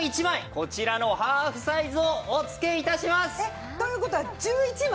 こちらのハーフサイズをお付け致します！という事は１１枚？